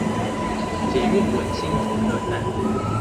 捷運文心崇德站